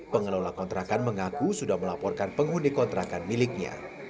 pengelola kontrakan mengaku sudah melaporkan penghuni kontrakan miliknya